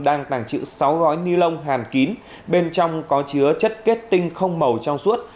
đang tàng trữ sáu gói ni lông hàn kín bên trong có chứa chất kết tinh không màu trong suốt